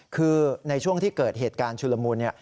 คือในช่วงที่เกิดเหตุการณ์ชุลมุนเนี่ย